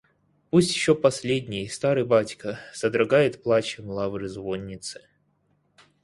Пусть еще последний, старый батька содрогает плачем лавры звонницы.